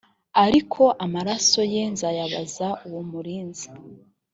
ariko amaraso ye nzayabaza uwo murinzi